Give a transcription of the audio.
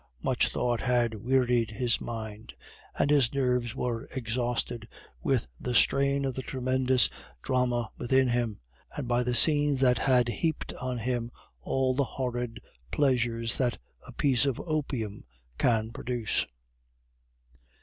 Much thought had wearied his mind, and his nerves were exhausted with the strain of the tremendous drama within him, and by the scenes that had heaped on him all the horrid pleasures that a piece of opium can produce.